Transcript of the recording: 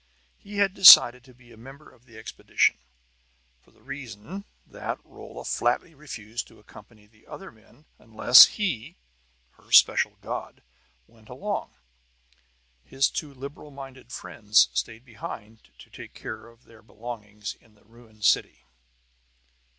He had decided to be a member of the expedition, for the reason that Rolla flatly refused to accompany the other men unless he, her special god, went along. His two liberal minded friends stayed behind to take care of their belongings in the ruined city.